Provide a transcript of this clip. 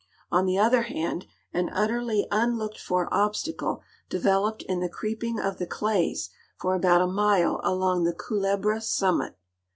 On the other hand, an utterly unlooked for obstacle developed in the creeiDing of the clays for al)out a mile along the Culebra summit.